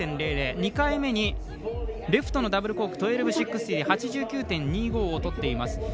２回目にレフトのダブルコーク１２６０８９．２５をとっています。